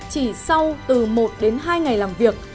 chỉ sau từ một đến hai ngày làm việc